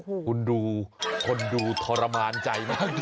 คุณดูคนดูทรมานใจมาก